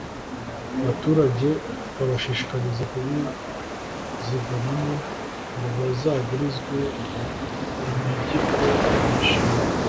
Baturage bikabashishikariza kubizigamamo ngo bazagurizwe banigirwe imishinga